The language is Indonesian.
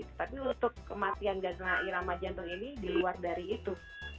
tapi untuk kematian irama jantung ini diluar dari itu